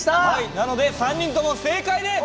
なので３人とも正解です！